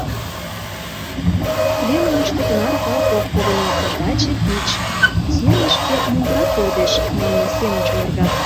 Пленумышто тынаре калык ок погыно, а таче тич, «сӱанышке мундырат пӧрдеш» манме семын чумыргат.